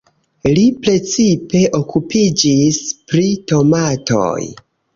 Li precipe okupiĝis pri tomatoj.